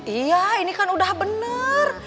iya ini kan udah benar